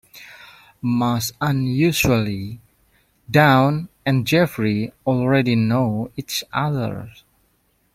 Most unusually, Dawn and Jeffrey already know each other.